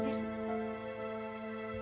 aku ingin tetap mempekerjakan koki itu